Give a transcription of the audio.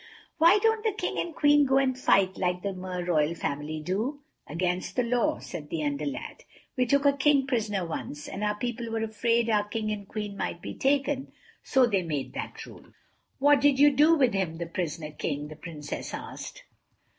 "Why don't the King and Queen go and fight, like the Mer Royal Family do?" "Against the law," said the Under lad. "We took a King prisoner once, and our people were afraid our King and Queen might be taken, so they made that rule." "What did you do with him—the prisoner King?" the Princess asked.